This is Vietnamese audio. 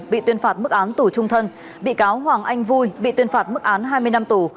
bị tuyên phạt mức án tù trung thân bị cáo hoàng anh vui bị tuyên phạt mức án hai mươi năm tù